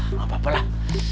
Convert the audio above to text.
wah gapapa lah